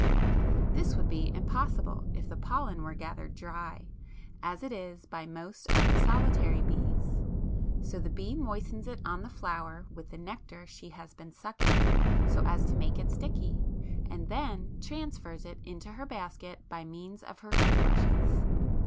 9); this would be impossible if the pollen were gathered dry, as it is by most of the solitary bees, so the bee moistens it on the flower with the nectar she has been sucking so as to make it sticky, and then transfers it into her basket by means of her foot brushes.